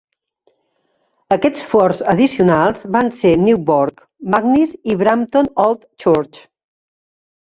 Aquests forts addicionals van ser Newbrough, Magnis i Brampton Old Church.